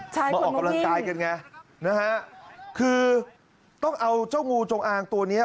ใช่มาออกกำลังกายกันไงนะฮะคือต้องเอาเจ้างูจงอางตัวเนี้ย